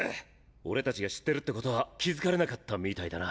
俺たちが知ってるってことは気付かれなかったみたいだな。